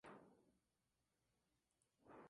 Realizó su Ph.